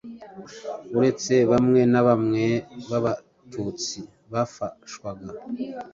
Uretse bamwe na bamwe b'Abatutsi bafashwaga